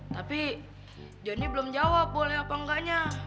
tapi johnny belum jawab boleh apa enggaknya